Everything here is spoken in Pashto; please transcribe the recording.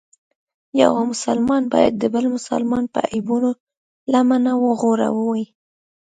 یو مسلمان باید د بل مسلمان په عیبونو لمنه وغوړوي.